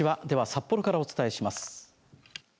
では、札幌からお伝えします。